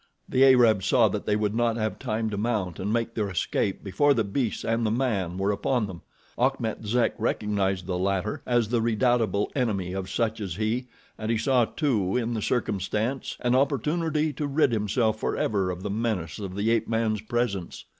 The Arabs saw that they would not have time to mount and make their escape before the beasts and the man were upon them. Achmet Zek recognized the latter as the redoubtable enemy of such as he, and he saw, too, in the circumstance an opportunity to rid himself forever of the menace of the ape man's presence.